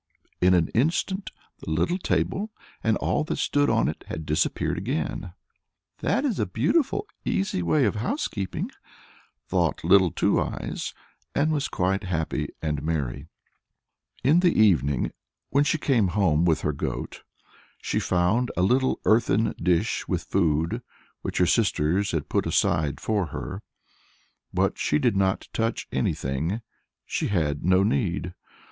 In an instant the little table, and all that stood on it, had disappeared again. "That is a beautiful, easy way of housekeeping," thought Little Two Eyes, and was quite happy and merry. In the evening, when she came home with her goat, she found a little earthen dish with food, which her sisters had put aside for her, but she did not touch anything she had no need.